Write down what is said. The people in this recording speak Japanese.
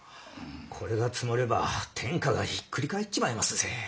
これが積もれば天下がひっくり返っちまいますぜ。